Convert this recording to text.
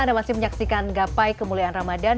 anda masih menyaksikan gapai kemuliaan ramadan